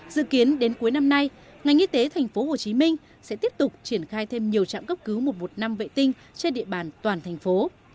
dự kiến đến cuối năm nay ngành y tế thành phố hồ chí minh sẽ tiếp tục triển khai thêm nhiều trạm cấp cứu mùa một năm vệ tinh trên địa bàn toàn thành phố